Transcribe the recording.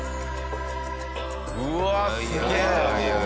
うわすげえ。